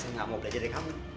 saya nggak mau belajar dari kamu